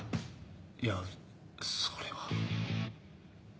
いやそれは。